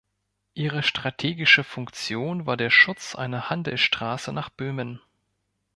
Ihre strategische Funktion war der Schutz einer Handelsstraße nach Böhmen.